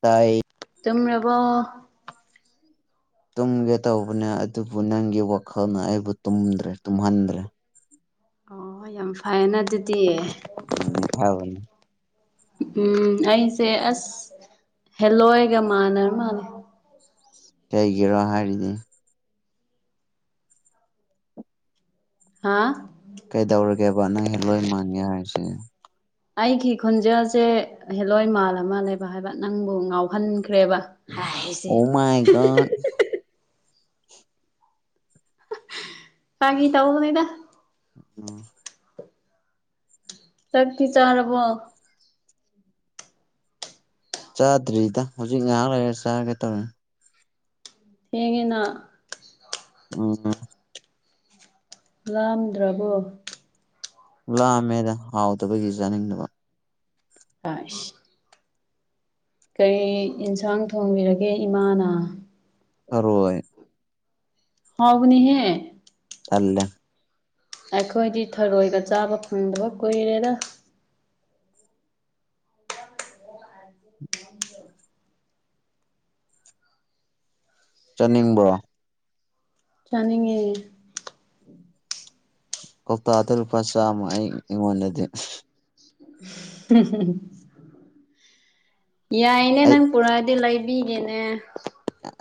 ꯇꯥꯏ ꯇꯨꯝ꯭ꯔꯔꯕꯣ ꯇꯨꯝꯒꯦ ꯇꯧꯕꯅꯦ ꯑꯗꯨꯕꯨ ꯅꯪꯒꯤ ꯋꯥꯈꯜꯅ ꯑꯩꯕꯨ ꯇꯨꯝꯗ꯭ꯔꯦ ꯇꯨꯝꯍꯟꯗ꯭ꯔꯦ ꯑꯣ ꯌꯥꯝ ꯐꯩꯌꯦꯅ ꯑꯗꯨꯗꯤꯌꯦ ꯎꯝ ꯎ ꯐꯕꯅꯤ ꯎꯝ ꯑꯩꯁꯦ ꯑꯁ ꯍꯦꯜꯂꯣꯏꯒ ꯃꯥꯟꯅꯔ ꯃꯥꯜꯂ ꯀꯩꯒꯤꯔꯥ ꯍꯥꯏꯔꯤꯗꯤ ꯍꯥꯥ ꯀꯩꯗꯧꯔꯒꯦꯕ ꯅꯪ ꯍꯦꯂꯣꯏ ꯃꯥꯟꯅꯤ ꯍꯥꯏꯁꯦ ꯑꯩꯒꯤ ꯈꯣꯟꯖꯦꯜ ꯍꯦꯜꯂꯣꯏ ꯃꯥꯜꯂ ꯃꯥꯜꯂꯦꯕ ꯍꯥꯏꯕ ꯅꯪꯕꯨ ꯉꯥꯎꯍꯟꯈ꯭ꯔꯦꯕ ꯑꯣ [unintelligible] [unintelligible] ꯐꯥꯒꯤ ꯇꯧꯅꯤꯗ ꯑꯣ ꯆꯥꯛꯇꯤ ꯆꯥꯔꯔꯕꯣ ꯆꯥꯗ꯭ꯔꯤꯗ ꯍꯧꯖꯤꯛ ꯉꯥꯏꯍꯥꯛ ꯂꯩꯔꯒ ꯆꯥꯒꯦ ꯇꯧꯔꯤꯅꯦ ꯌꯦꯡꯉꯤꯅ ꯎꯝ ꯂꯥꯝꯗ꯭ꯔꯕꯣ ꯂꯃꯦꯗ ꯍꯥꯎꯗꯕꯩꯒꯤ ꯆꯥꯅꯤꯡꯗꯕ [unintelligible] ꯀꯔꯤ ꯌꯦꯟꯁꯥꯡ ꯊꯣꯡꯕꯤꯔꯒꯦ ꯏꯃꯥꯅ ꯊꯔꯣꯏ ꯍꯥꯎꯒꯅꯤꯍꯦ ꯇꯜꯂꯦ ꯑꯩꯈꯣꯏꯗꯤ ꯊꯔꯣꯏꯒ ꯆꯥꯕ ꯐꯪꯗꯕ ꯀꯨꯏꯔꯦꯗ ꯆꯅꯤꯡꯕ꯭ꯔꯣ ꯆꯥꯅꯤꯡꯉꯦ ꯀꯧꯇꯥꯗ ꯂꯨꯄꯥ ꯆꯥꯝꯃ ꯑꯩ ꯑꯩꯉꯣꯟꯗꯗꯤ ꯌꯥꯏꯅꯦ ꯑꯩ ꯅꯪ ꯄꯨꯔꯥꯗꯤ ꯂꯩꯕꯤꯒꯦꯅꯦ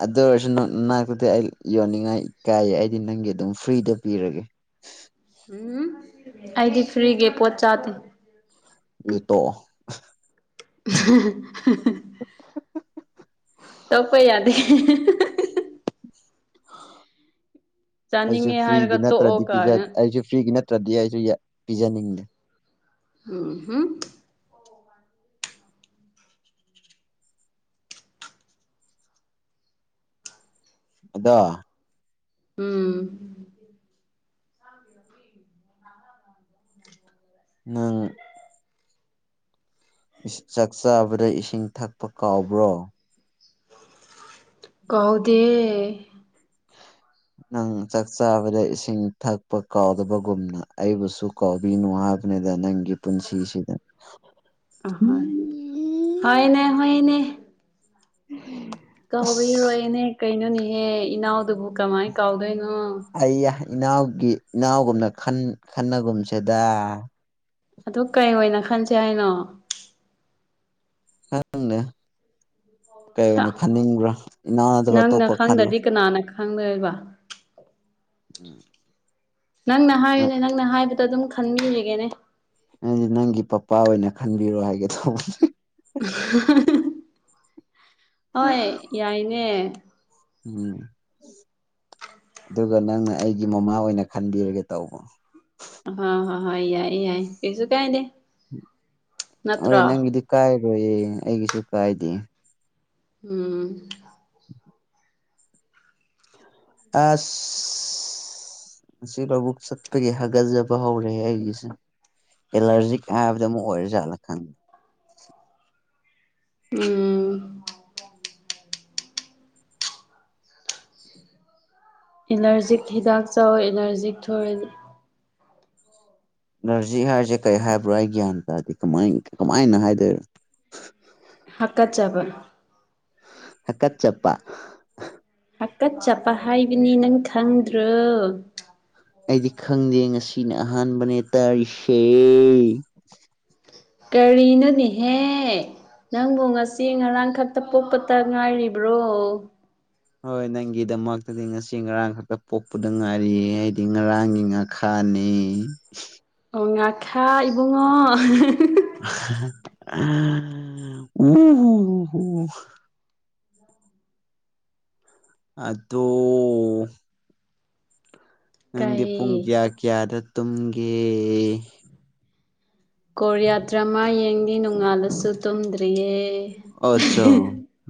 ꯑꯗꯨ ꯑꯣꯏꯔꯁꯨ ꯅꯅꯥꯛꯇꯨꯗꯤ ꯑꯩ ꯌꯣꯟꯅꯤꯡꯉꯥꯏ ꯀꯥꯏꯌꯦ ꯑꯩꯗꯤ ꯅꯪꯒꯤ ꯑꯗꯨꯝ ꯐ꯭ꯔꯤꯗ ꯄꯤꯔꯒꯦ [unintelligible] ꯎꯝ ꯑꯩꯗꯤ ꯐ꯭ꯔꯤꯒꯤ ꯄꯣꯠ ꯆꯥꯗꯦ ꯏꯇꯣ ꯇꯞꯄ ꯌꯥꯗꯦ ꯑꯩꯁꯨ ꯆꯥꯅꯤꯡꯉꯦ ꯐ꯭ꯔꯤꯒꯤ ꯍꯥꯏꯔꯒ ꯇꯣꯛꯑꯣ ꯅꯠꯇ꯭ꯔꯗꯤ ꯀꯥꯏꯅ ꯑꯩꯁꯨ ꯐ꯭ꯔꯤꯒꯤ ꯅꯠꯇ꯭ꯔꯗꯤ ꯑꯩꯁꯨ ꯄꯤꯖꯅꯤꯡꯉꯦ ꯎꯝ ꯍꯝ ꯑꯗꯣ ꯎꯝ ꯎ ꯅꯪ ꯆꯥꯛ ꯆꯥꯕꯗ ꯏꯁꯤꯡ ꯊꯛꯄ ꯀꯥꯎꯕ꯭ꯔꯣ ꯀꯧꯗꯦ ꯅꯪ ꯆꯥꯛ ꯆꯥꯕꯗ ꯏꯁꯤꯡ ꯊꯛꯄ ꯀꯥꯎꯗꯕꯒꯨꯝꯅ ꯑꯩꯕꯨꯁꯨ ꯀꯣꯕꯤꯅꯨ ꯍꯥꯏꯕꯅꯦ ꯗ ꯅꯪꯒꯤ ꯄꯨꯟꯁꯤꯁꯤꯗ ꯑꯍꯣꯏ ꯍꯣꯏꯅꯦ ꯍꯣꯏꯅꯦ [unintelligible] ꯀꯥꯎꯕꯤ ꯑꯁ ꯔꯣꯏꯅꯦ ꯀꯩꯅꯣꯅꯤꯍꯦ ꯏꯅꯥꯎꯗꯨꯕꯨ ꯀꯃꯥꯏ ꯀꯥꯎꯗꯣꯏꯅꯣ ꯑꯩ ꯌꯥ ꯏꯅꯥꯎꯒꯤ ꯏꯅꯥꯎꯒꯨꯝꯅ ꯈꯟꯅꯒꯨꯝꯁꯤꯗ ꯑꯗꯨ ꯀꯩ ꯑꯣꯏꯅ ꯈꯟꯁꯦ ꯍꯥꯏꯅꯣ ꯈꯪꯗꯦ ꯁꯥ ꯀꯩꯑꯣꯏ ꯈꯟꯅꯤꯡꯕ꯭ꯔꯥ ꯏꯅꯥꯎ ꯅꯠꯇꯕ ꯑꯇꯣꯞꯄ ꯈꯜꯂꯣ ꯍꯪꯅꯏꯕ ꯎꯝ ꯅꯪꯅ ꯍꯥꯏꯌꯨꯅꯦ ꯅꯪꯅ ꯍꯥꯏꯕꯗꯣ ꯑꯗꯨꯝ ꯈꯟꯃꯤꯔꯒꯦꯅꯦ ꯑꯩꯗꯤ ꯅꯪꯒꯤ ꯄꯄꯥ ꯑꯣꯏꯅ ꯈꯟꯕꯤꯔꯣ ꯍꯥꯏꯒꯦ ꯇꯧꯕꯁ ꯍꯣꯏ ꯌꯥꯏꯅꯦ ꯎꯝ ꯑꯗꯨꯒ ꯅꯪꯅ ꯑꯩꯒꯤ ꯃꯃꯥ ꯑꯣꯏꯅ ꯈꯟꯕꯤꯔꯒꯦ ꯇꯧꯕ ꯍ ꯍ ꯍ ꯌꯥꯏ ꯌꯥꯏ ꯀꯁꯨ ꯀꯥꯏꯇꯦ ꯍꯣꯏ ꯅꯪꯒꯤꯗꯤ ꯀꯥꯏꯔꯣꯏꯌꯦ ꯑꯩꯒꯤꯁꯨ ꯀꯥꯏꯗꯦ ꯎꯝ ꯑꯥꯁ ꯁꯤ ꯂꯧꯕꯨꯛ ꯆꯠꯄꯒꯤ ꯍꯥꯒꯠꯆꯕ ꯍꯧꯔꯦ ꯑꯩꯒꯤꯁꯦ ꯑꯦꯂꯔꯖꯤꯛ ꯍꯥꯏꯕꯗꯣ ꯑꯃꯛ ꯑꯣꯏꯔꯖꯥꯠꯂ ꯈꯪꯗꯦ ꯎꯝ ꯑꯦꯂꯔꯖꯤꯛ ꯍꯤꯗꯥꯛ ꯆꯥꯎꯋꯣ ꯑꯦꯂꯔꯖꯤꯛ ꯊꯣꯛꯑꯗꯤ ꯑꯦꯂꯔꯖꯤꯛ ꯍꯥꯏꯔꯤꯁꯦ ꯀꯔꯤ ꯍꯥꯏꯕ꯭ꯔꯣ ꯑꯩ ꯒ꯭ꯌꯥꯟ ꯇꯥꯗꯦ ꯀꯃꯥꯏ ꯀꯃꯥꯏꯅ ꯍꯥꯏꯗꯣꯏꯅꯣ ꯍꯥꯀꯠꯆꯕ ꯍꯀꯠ ꯖꯄ ꯍꯛꯀꯠ ꯆꯠꯄ ꯍꯥꯏꯕꯅꯤ ꯅꯪ ꯈꯪꯗ꯭ꯔꯣ ꯑꯩꯗꯤ ꯈꯪꯗꯦ ꯉꯁꯤꯅ ꯑꯍꯥꯟꯕꯅꯦ ꯇꯥꯔꯤꯁꯦ ꯀꯔꯤꯅꯣꯅꯤꯍꯦ ꯅꯪꯕꯨ ꯉꯁꯤ ꯉꯔꯥꯡ ꯈꯛꯇ ꯄꯣꯛꯄꯇ ꯉꯥꯏꯔꯤꯕ꯭ꯔꯣ ꯍꯣꯏ ꯅꯪꯒꯤꯗꯃꯛꯇꯗꯤ ꯉꯁꯤ ꯉꯔꯥꯡ ꯈꯛꯇ ꯄꯣꯛꯄꯗ ꯉꯥꯏꯔꯤꯌꯦ ꯍꯥꯏꯗꯤ ꯉꯔꯥꯡꯒꯤ ꯉꯥꯛꯇ ꯈꯅꯤ ꯑꯣ ꯉꯥꯈꯥ ꯏꯕꯨꯡꯉꯣ ꯑ ꯎ ꯍ ꯍꯣ ꯑꯗꯨꯗꯣ ꯅꯪꯗꯤ ꯄꯨꯡ ꯀꯩ ꯀꯌꯥ ꯀꯌꯥꯗ ꯇꯨꯝꯒꯦ ꯀꯣꯔꯣꯌꯥꯇ꯭ꯔꯃꯥ ꯌꯦꯡꯗꯤ ꯅꯣꯡꯉꯥꯜꯂꯁꯨ ꯇꯨꯝꯗ꯭ꯔꯤꯌꯦ ꯑꯠꯆꯥ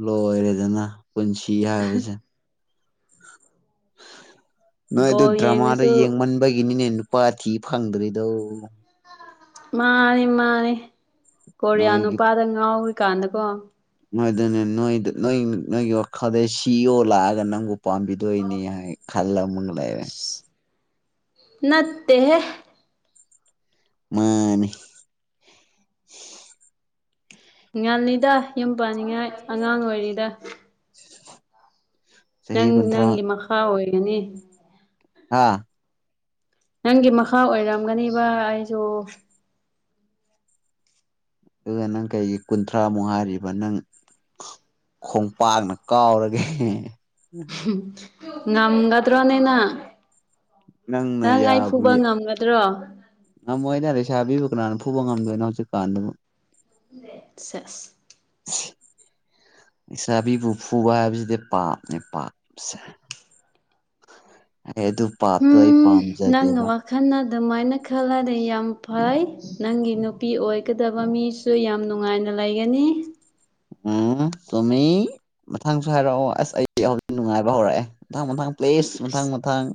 ꯂꯣꯏꯔꯦꯗꯅ ꯄꯨꯟꯁꯤ ꯍꯥꯏꯕꯁꯦ ꯅꯣꯏ ꯑꯗꯨ ꯕꯣꯜ ꯗ꯭ꯔꯃꯥꯗꯨ ꯌꯦꯡꯉꯁꯨ ꯌꯦꯡꯃꯟꯕꯒꯤꯅꯤꯅꯦ ꯅꯨꯄꯥ ꯊꯤ ꯐꯪꯗ꯭ꯔꯤꯗꯣ ꯃꯥꯅꯤ ꯃꯥꯅꯤ ꯀꯣꯔꯤꯌꯥ ꯅꯣꯏꯒꯤ ꯅꯨꯄꯥꯗ ꯉꯥꯎꯔꯤꯀꯥꯟꯗꯀꯣ ꯅꯪꯏꯗꯨꯗꯤ ꯅꯣꯏꯗ ꯅꯣꯏ ꯅꯣꯏꯒꯤ ꯃꯈꯥꯗ ꯁꯤꯌꯣ ꯂꯥꯛꯑꯒ ꯅꯪꯕꯨ ꯄꯥꯝꯕꯤ ꯗꯣꯏꯅꯤ ꯍꯥꯏ ꯈꯜꯂ ꯃꯨꯛ ꯂꯩꯔꯦ ꯅꯠꯇꯦꯍꯦ ꯃꯥꯅꯤ ꯉꯟꯂꯤꯗ ꯌꯨꯝ ꯄꯥꯟꯅꯤꯡꯉꯥꯏ ꯑꯉꯥꯡ ꯑꯣꯏꯔꯤꯗ ꯆꯍꯤ ꯅꯪ ꯀꯨꯟꯊ꯭ꯔꯥ ꯅꯪꯒꯤ ꯃꯈꯥ ꯑꯣꯏꯒꯅꯤ ꯑꯥ ꯅꯪꯒꯤ ꯃꯈꯥ ꯑꯣꯏꯔꯝꯒꯅꯤꯕ ꯑꯩꯖꯨ ꯑꯗꯨꯒ ꯅꯪ ꯀꯩꯒꯤ ꯀꯨꯟꯊ꯭ꯔꯥꯃꯨꯛ ꯍꯥꯏꯔꯤꯕ ꯅꯪ ꯈꯣꯡꯄꯥꯛꯅ ꯀꯥꯎꯔꯒꯦ ꯉꯝꯒ ꯇ꯭ꯔꯅꯦꯅ ꯅꯪꯅ ꯅꯪ ꯑꯩ ꯐꯨꯕ ꯉꯝꯒꯗ꯭ꯔꯣ ꯉꯝꯃꯣꯏꯅ ꯂꯩꯁꯥꯕꯤꯕ ꯀꯅꯥꯅ ꯐꯨꯕ ꯉꯝꯗꯣꯏꯅꯣ ꯍꯧꯖꯤꯛ ꯀꯥꯟꯗꯕꯨ ꯁꯖ [inaudible] ꯂꯩꯁꯥꯕꯤꯕꯨ ꯐꯨꯕ ꯍꯥꯏꯕꯁꯤꯗꯤ ꯄꯥꯞꯅꯦ ꯄꯥꯞꯁꯦ ꯑꯩ ꯑꯗꯨ ꯄꯥꯞꯇꯣ ꯑꯩ ꯄꯥꯝꯖꯗꯦꯕ ꯋꯥꯈꯜ ꯑꯗꯨꯃꯥꯏꯅ ꯈꯜꯂꯗꯤ ꯌꯥꯝ ꯐꯩ ꯅꯪꯒꯤ ꯅꯨꯄꯤ ꯑꯣꯏꯒꯗꯕ ꯃꯤ ꯁꯨ ꯌꯥꯝ ꯅꯨꯡꯉꯥꯏꯅ ꯂꯩꯒꯅꯤ ꯎꯝ ꯆꯨꯃꯤ ꯃꯊꯪꯁꯨ ꯍꯥꯏꯔꯛꯑꯣ ꯑꯁ ꯑꯩ ꯍꯧꯖꯤꯛ ꯅꯨꯡꯉꯥꯏꯕ ꯍꯧꯔꯛꯑꯦ ꯃꯊꯪ ꯃꯊꯪ ꯄ꯭ꯂꯤꯁ ꯃꯊꯪ ꯃꯊꯪ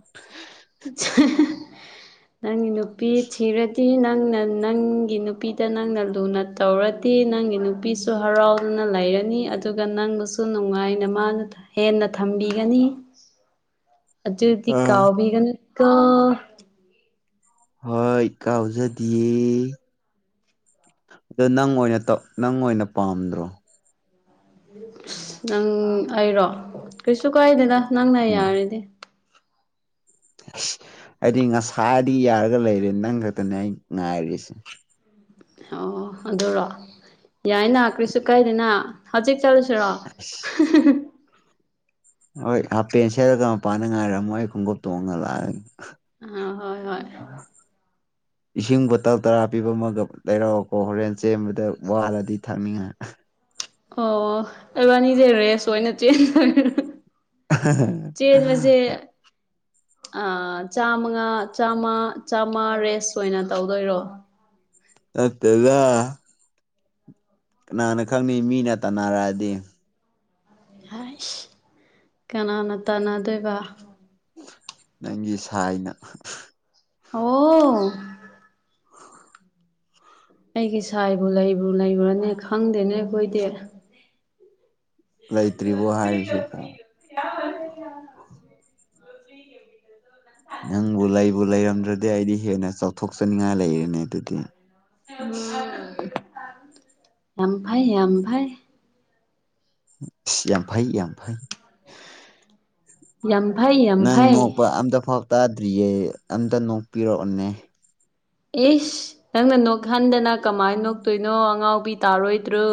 [unintelligible] ꯅꯪ ꯅꯨꯄꯤ ꯊꯤꯔꯠ ꯇꯤ ꯅꯪꯅ ꯅꯪꯒꯤ ꯅꯨꯄꯤꯗ ꯅꯪꯅ ꯂꯨꯅ ꯇꯧꯔꯗꯤ ꯅꯪꯒꯤ ꯅꯨꯞ ꯀꯩꯁꯨ ꯍꯔꯥꯎꯅ ꯂꯩꯔꯅꯤ ꯑꯗꯨꯒ ꯅꯪꯕꯨꯁꯨ ꯅꯨꯡꯉꯥꯏꯅ ꯃꯥꯅꯊꯝ ꯍꯦꯟꯅ ꯊꯝꯕꯤꯒꯅꯤ ꯑꯗꯨꯗꯤ ꯑꯥ ꯀꯥꯎꯕꯤꯒꯅꯨ ꯀꯣ ꯍꯣꯏ ꯀꯥꯎꯖꯗꯤꯌꯦ ꯗꯣ ꯅꯪ ꯑꯣꯏꯅ ꯇꯧ ꯅꯪ ꯑꯣꯏꯅ ꯄꯥꯝꯗ꯭ꯔꯣ ꯏꯁ ꯅꯪ ꯑꯩꯔꯣ ꯀꯩꯁꯨ ꯀꯥꯏꯗꯦꯅ ꯅꯪꯅ ꯎꯝ ꯌꯥꯔꯗꯤ ꯏꯁ ꯑꯩꯗꯤ ꯉꯁꯥꯏꯗꯩ ꯌꯥꯔꯒ ꯂꯩꯔꯦ ꯅꯪ ꯈꯛꯇꯅꯦ ꯑꯩ ꯉꯥꯏꯔꯤꯁꯤ ꯑꯣ ꯑꯗꯨꯔꯣ ꯌꯥꯏꯅ ꯀ꯭ꯔꯤꯁꯨ ꯀꯥꯏꯗꯦꯅ ꯍꯧꯖꯤꯛ ꯆꯠꯂꯨꯁꯤꯔꯣ ꯍꯣꯏ ꯍꯥꯞꯄꯦꯟ ꯁꯦꯠꯂꯒ ꯃꯄꯥꯟꯗ ꯉꯥꯏꯔꯝꯃꯣ ꯑꯩ ꯈꯣꯡꯉꯨꯞ ꯇꯣꯡꯉ ꯂꯥꯛꯑꯒꯦ ꯑ ꯍꯣꯏ ꯍꯣꯏ ꯏꯁꯤꯡ ꯕꯣꯇꯜ ꯇꯔꯥ ꯄꯤꯕ ꯑꯃꯒ ꯂꯩꯔꯛꯑꯣꯀꯣ ꯍꯣꯔꯦꯟ ꯆꯦꯟꯕꯗ ꯋꯥꯔꯗꯤ ꯊꯛꯅꯤꯡꯉꯥꯏ ꯑꯣ ꯏꯕꯥꯅꯤꯖꯦ ꯔꯦꯁ ꯑꯣꯏꯅ [unintelligible] ꯆꯦꯟꯕꯖꯦ ꯑ ꯆꯥꯃꯒ ꯆꯥꯃ ꯆꯥꯃ ꯔꯦꯁ ꯑꯣꯏꯅ ꯇꯧꯗꯣꯏꯔꯣ ꯅꯠꯇꯦꯗ ꯀꯅꯥꯅ ꯈꯪꯅꯤ ꯃꯤꯅ ꯇꯥꯟꯅꯔꯛꯑꯗꯤ ꯍꯥꯏꯁ ꯀꯅꯥꯅ ꯇꯥꯟꯅꯗꯣꯏꯕ ꯅꯪꯒꯤ ꯁꯥꯏꯅ ꯑꯣ ꯑꯩꯒꯤ ꯁꯥꯏꯕꯨ ꯂꯩꯕꯨ ꯂꯩꯕ꯭ꯔꯅꯦ ꯈꯪꯗꯦꯅꯦ ꯑꯩꯈꯣꯏꯗꯤ ꯂꯩꯇ꯭ꯔꯤꯕꯣ ꯍꯥꯏꯔꯤꯁꯤꯕꯣ [unintelligible] ꯅꯪꯕꯨ ꯂꯩꯕꯨ ꯂꯩꯔꯝꯗ꯭ꯔꯗꯤ ꯑꯩꯗꯤ ꯍꯦꯟꯅ ꯆꯥꯎꯊꯣꯛꯆꯅꯤꯡꯉꯥꯏ ꯂꯩꯔꯦꯅꯦ ꯑꯗꯨꯗꯤ ꯎꯝ ꯌꯥꯝ ꯐꯩ ꯌꯥꯝ ꯐꯩ ꯌꯥꯝ ꯐꯩ ꯌꯥꯝ ꯐꯩ ꯌꯥꯝ ꯐꯩꯌꯦ ꯅꯪ ꯅꯣꯛꯄ ꯑꯝꯇ ꯐꯥꯎ ꯇꯥꯗ꯭ꯔꯤꯌꯦ ꯑꯝꯇ ꯅꯣꯛꯄꯤꯔꯛꯑꯣꯅꯦ ꯏꯁ ꯅꯪꯅ ꯅꯣꯛꯍꯟꯗꯅ ꯀꯃꯥꯏꯅ ꯅꯣꯛꯇꯣꯏꯅꯣ ꯑꯉꯥꯎꯕꯤ ꯇꯥꯔꯣꯏꯗ꯭ꯔꯣ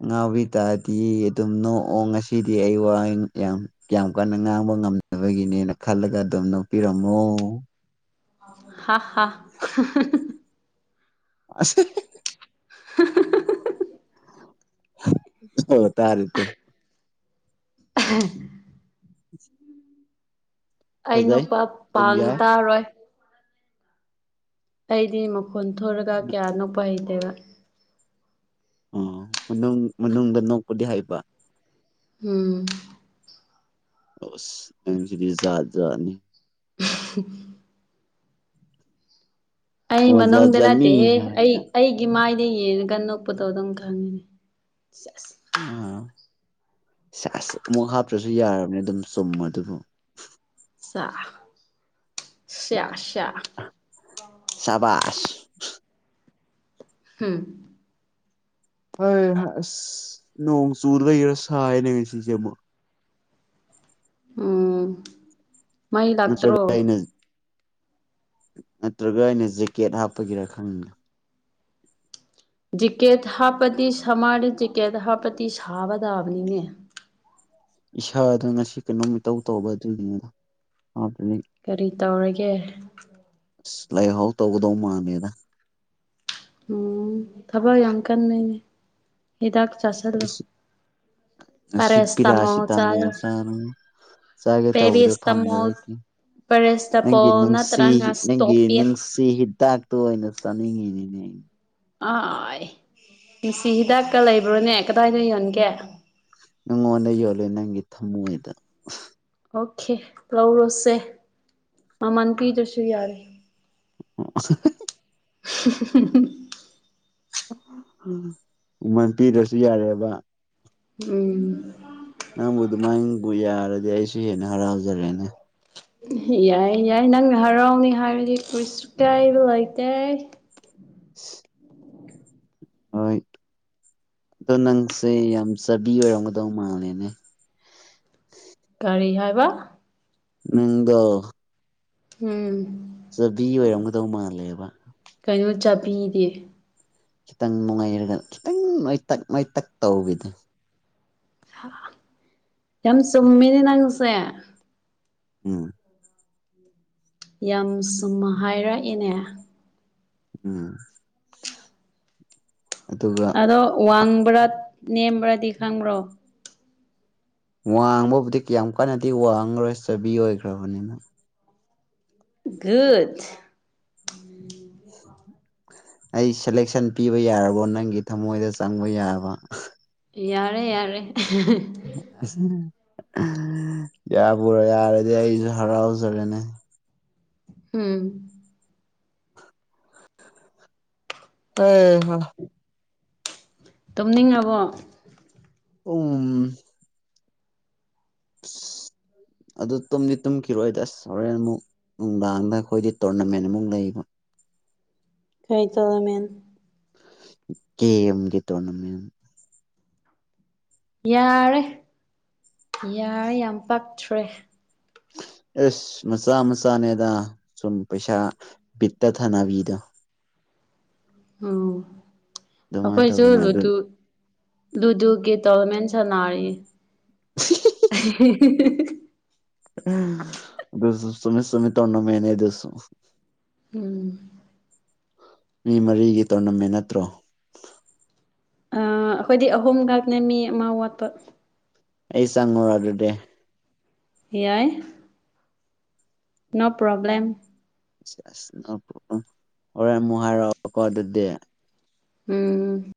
ꯑꯉꯥꯎꯕꯤ ꯇꯥꯗꯤꯌꯦ ꯑꯗꯨꯝ ꯅꯣꯛꯑꯣ ꯉꯁꯤꯗꯤ ꯑꯩ ꯋꯥ ꯌꯥꯝ ꯌꯥꯝ ꯀꯟꯅ ꯉꯥꯡꯕ ꯉꯝ ꯗꯕꯒꯤꯅꯦ ꯈꯜꯂꯒ ꯑꯗꯨꯝ ꯅꯣꯛꯄꯤꯔꯝꯃꯣ ꯍꯥ ꯍꯥ ꯑꯁ [unintelligible] ꯍꯨꯝ ꯇꯥꯔꯦꯇꯣ [unintelligible] [inaudible] ꯑꯩ ꯐꯖꯩ ꯅꯣꯛꯄꯥꯞ ꯑꯗꯨꯝ ꯄꯥꯡ ꯌꯥꯏ ꯇꯥꯔꯣꯏ ꯑꯩꯗꯤ ꯃꯈꯣꯟ ꯊꯣꯔꯒ ꯀ꯭ꯌꯥ ꯅꯣꯛꯄ ꯍꯩꯇꯦꯕ ꯎꯝ ꯃꯅꯨꯡ ꯃꯅꯨꯡꯗ ꯅꯣꯛꯄꯗꯤ ꯍꯩꯕ ꯎꯝ ꯑꯣꯁ ꯅꯪꯁꯤꯗꯤ ꯖꯥꯠ ꯖꯥꯠꯅꯤ [unintelligible] ꯑꯩ ꯑꯣ ꯖꯥꯠ ꯃꯅꯨꯡꯗ ꯖꯥꯠꯅꯤ ꯅꯠꯇꯦꯍꯦ ꯑꯩ ꯍꯥꯏꯕꯗ ꯑꯩ ꯏꯃꯥꯏꯗ ꯌꯦꯡꯉꯒ ꯅꯣꯛꯄꯗꯣ ꯑꯗꯨꯝ ꯈꯪꯉꯤꯅꯦ ꯁꯦꯁ ꯑ ꯁꯦꯁ ꯑꯃꯨꯛ ꯍꯥꯞꯇ꯭ꯔꯖꯨ ꯌꯥꯔꯝꯅꯦ ꯑꯗꯨꯝ ꯆꯨꯝꯃꯗꯨꯕꯨ ꯆꯥ ꯁꯤꯌꯥ ꯁꯤꯌꯥ ꯁꯕꯥꯥꯁ ꯎꯝ ꯍꯩ ꯍꯥꯥ ꯑꯁ ꯅꯣꯡ ꯆꯨꯔꯗꯅ ꯁꯥꯏꯅꯦ ꯉꯁꯤꯁꯦ ꯑꯃꯨꯛ ꯎꯝ ꯃꯩ ꯅꯠꯇ꯭ꯔꯒ ꯂꯥꯛꯇ꯭ꯔꯣ ꯑꯩꯅ ꯅꯠꯇ꯭ꯔꯒ ꯑꯩꯅ ꯖꯦꯛꯀꯦꯠ ꯍꯥꯞꯄꯒꯤꯔꯥ ꯈꯪꯗꯦ ꯖꯤꯛꯀꯦꯠ ꯍꯥꯞꯄꯗꯤ ꯁꯃꯔꯗ ꯖꯤꯛꯀꯦꯠ ꯍꯥꯞꯄꯗꯤ ꯁꯥꯕ ꯇꯥꯕꯅꯤꯅꯦ ꯏꯁꯥꯗꯨ ꯉꯁꯤ ꯀꯩꯅꯣꯝ ꯏꯇꯧ ꯇꯧꯕ ꯑꯗꯨꯒꯤꯅꯤꯗ ꯍꯥꯞꯄꯤꯁꯦ ꯀꯔꯤ ꯇꯧꯔꯒꯦ ꯑꯁ ꯂꯥꯏꯍꯧ ꯇꯧꯒꯗꯧ ꯃꯥꯥꯟꯂꯦꯗ ꯎꯝ ꯊꯕꯛ ꯌꯥꯝ ꯀꯟꯕꯩꯅꯦ ꯍꯤꯗꯥꯛ ꯆꯥꯁꯜꯂꯣ ꯉꯁꯤ ꯉꯁꯤ ꯄꯦꯔꯥꯁꯤꯇꯥꯃꯣꯜ ꯆꯥꯥꯕꯅꯦ ꯆꯥꯒꯦ ꯇꯧꯕꯗꯣ ꯄꯦꯔꯦꯁꯇꯥꯃꯣꯜ ꯐꯪꯗꯕꯒꯤ ꯅꯪ ꯄꯦꯔꯦꯁꯇꯥꯄꯣꯜ ꯅꯨꯡꯁꯤ ꯅꯠꯇ꯭ꯔꯒ ꯅꯪꯒꯤ ꯁ꯭ꯇꯣꯄꯦꯠ ꯅꯨꯡꯁꯤ ꯍꯤꯗꯥꯛ ꯇꯣ ꯑꯣꯏꯅ ꯆꯥꯅꯤꯡꯉꯤꯅꯤꯅꯦ ꯑꯥꯥꯏ ꯅꯨꯡꯁꯤ ꯍꯤꯗꯥꯛꯀ ꯂꯩꯕ꯭ꯔꯣꯅꯦ ꯀꯗꯥꯏꯗ ꯌꯣꯟꯒꯦ ꯅꯪꯉꯣꯟꯗ ꯌꯣꯜꯂꯦ ꯅꯪꯒꯤ ꯊꯝꯃꯣꯏꯗ ꯑꯣꯀꯦ ꯂꯧꯔꯣꯁꯦ ꯃꯃꯜ ꯄꯤꯗ꯭ꯔꯁꯨ ꯌꯥꯔꯦ ꯑꯣ [unintelligible] ꯃꯃꯜ ꯄꯤꯗꯔꯁꯨ ꯌꯥꯔꯦꯕ ꯎꯝ ꯅꯪꯕꯨ ꯑꯗꯨꯃꯥꯏꯅꯕꯨ ꯌꯥꯔꯗꯤ ꯑꯩꯁꯨ ꯍꯦꯟꯅ ꯍꯔꯥꯎꯖꯔꯦꯅꯦ ꯌꯥꯏ ꯌꯥꯏ ꯅꯪꯅ ꯍꯔꯥꯎꯅꯤ ꯍꯥꯏꯔꯗꯤ ꯀꯔꯤꯁꯨ ꯀꯥꯏꯕ ꯂꯩꯇꯦ [unintelligible] ꯍꯣꯏ ꯑꯗꯣ ꯅꯪꯁꯦ ꯌꯥꯝ ꯆꯕꯤ ꯑꯣꯏꯔꯝꯒꯗꯧ ꯃꯥꯜꯂꯦꯅꯦ ꯀꯔꯤ ꯍꯥꯏꯕ ꯅꯪꯗꯣ ꯎꯝ ꯆꯕꯤ ꯑꯣꯏꯔꯝꯒꯗꯧ ꯃꯥꯜꯂꯦꯕ ꯀꯩꯅꯣ ꯆꯥꯕꯤꯗꯤ ꯈꯤꯇꯪ ꯅꯣꯏꯔꯒ ꯈꯤꯇꯪ ꯅꯣꯏꯇꯛ ꯅꯣꯏꯇꯛ ꯇꯧꯕꯤꯗꯣ ꯌꯥꯝ ꯆꯨꯝꯃꯤꯅꯦ ꯅꯪꯁꯦ ꯎꯝ ꯌꯥꯝ ꯆꯨꯝꯅ ꯍꯥꯏꯔꯛꯑꯦꯅꯦ ꯎꯝ ꯑꯗꯨꯒ ꯑꯗꯣ ꯋꯥꯡꯕ꯭ꯔꯥ ꯅꯦꯝꯕ꯭ꯔꯥꯗꯤ ꯈꯪꯕ꯭ꯔꯣ ꯋꯥꯡꯕꯕꯨꯗꯤ ꯀꯌꯥꯝ ꯀꯟꯅꯗꯤ ꯋꯥꯡꯉꯔꯣꯏ ꯆꯥꯕꯤ ꯑꯣꯏꯈ꯭ꯔꯕꯅꯤꯅ ꯒꯨꯠ ꯑꯩ ꯁꯦꯂꯦꯛꯁꯟ ꯄꯤꯕ ꯌꯥꯔꯕꯣ ꯅꯪꯒꯤ ꯊꯃꯣꯏꯗ ꯆꯪꯕ ꯌꯥꯕ ꯌꯥꯔꯦ ꯌꯥꯔꯦ ꯌꯥꯕꯨ ꯌꯥꯔꯗꯤ ꯑꯩꯁꯨ ꯍꯔꯥꯎꯖꯔꯦꯅꯦ ꯎꯝ ꯑꯣ ꯍꯣ ꯇꯨꯝꯅꯤꯡꯉꯕꯣ ꯎꯝ ꯑꯁ ꯑꯗꯨ ꯇꯨꯝꯗꯤ ꯇꯨꯝꯈꯤꯔꯣꯏꯗ ꯑꯁ ꯍꯣꯔꯦꯟ ꯑꯃꯨꯛ ꯅꯨꯡꯗꯥꯡꯗ ꯑꯩꯈꯣꯏꯗꯤ ꯇꯣꯔꯅꯥꯃꯦꯟ ꯑꯃꯨꯛ ꯂꯩꯕ ꯀꯩ ꯇꯣꯔꯅꯥꯃꯦꯟ ꯒꯦꯝꯒꯤ ꯇꯣꯔꯅꯥꯃꯦꯟ ꯌꯥꯔꯦ ꯌꯥꯔꯦ ꯌꯥꯝ ꯄꯛꯇꯔꯦ ꯑꯦꯁ ꯃꯆꯥ ꯃꯆꯥꯅꯦꯗ ꯁꯨꯝ ꯄꯩꯁꯥ ꯕꯤꯠꯇ ꯊꯥꯅꯕꯤꯗꯣ ꯎꯝ ꯑꯗꯨꯃꯥꯏꯅ ꯑꯩꯈꯣꯏꯁꯨ ꯇꯧꯕꯅꯦ ꯑꯗꯨ ꯂꯗꯨ ꯂꯨꯗꯨꯒꯤ ꯇꯣꯔꯅꯥꯃꯦꯟ ꯁꯥꯟꯅꯔꯤ ꯑꯗꯨꯖꯨ ꯆꯨꯝꯃꯦ ꯆꯨꯝꯃꯦ ꯇꯣꯔꯅꯥꯃꯦꯟꯅꯦ ꯑꯗꯨꯖꯨ ꯎꯝ ꯃꯤ ꯃꯔꯤꯒꯤ ꯇꯣꯔꯅꯥꯃꯦꯟ ꯅꯠꯇ꯭ꯔꯣ ꯑ ꯑꯩꯈꯣꯏꯗꯤ ꯑꯍꯨꯝ ꯈꯛꯅꯦ ꯃꯤ ꯑꯃ ꯋꯥꯠꯄ ꯑꯩ ꯆꯪꯉꯨꯔ ꯑꯗꯨꯗꯤ ꯌꯥꯏ ꯅꯣ ꯄ꯭ꯔꯣꯕ꯭ꯂꯦꯝ ꯑꯁ ꯍꯣꯔꯦꯟ ꯑꯃꯨꯛ ꯍꯥꯏꯔꯛꯑꯣꯀꯣ ꯑꯗꯨꯗꯤ ꯎꯝ